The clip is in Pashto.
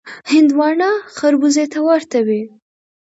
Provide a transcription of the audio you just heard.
هندوانه خړبوزه ته ورته وي.